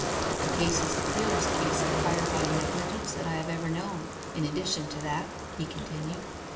'The case is the clearest case of fire by negligence that I have ever known, in addition to that,' he continued.